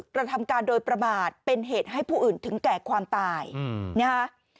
กระทำการโดยประมาทเป็นเหตุให้ผู้อื่นถึงแก่ความตายนะฮะ